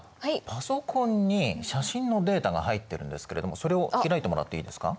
パソコンに写真のデータが入ってるんですけれどもそれを開いてもらっていいですか？